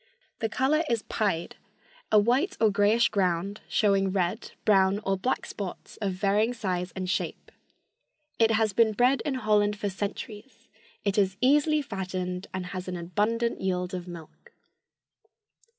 The color is pied, a white or grayish ground showing red, brown or black spots of varying size and shape. "It has been bred in Holland for centuries. It is easily fattened and has an abundant yield of milk."